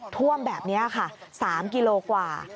ท่วมแบบนี้ค่ะ๓กิโลกว่า